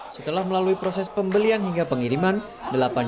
setelah melalui proses pembelian hingga pengiriman